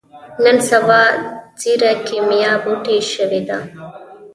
نن سبا ځيره کېميا بوټی شوې ده.